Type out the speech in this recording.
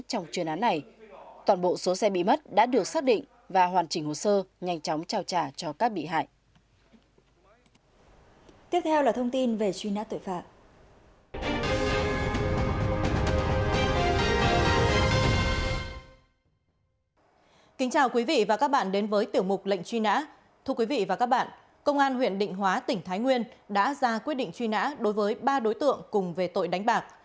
công an huyện định hóa tỉnh thái nguyên đã ra quyết định truy nã đối với ba đối tượng cùng về tội đánh bạc